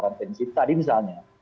kata kata penjaga tadi misalnya